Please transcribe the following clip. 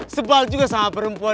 sebal juga sama perempuan